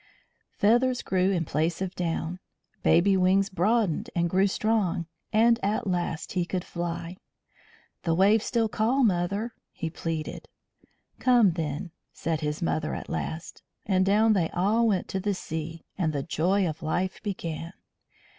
Feathers grew in place of down. Baby wings broadened and grew strong, and at last he could fly. "The waves still call, mother," he pleaded. "Come, then," said his mother at last, and down they all went to the sea, and the joy of life began.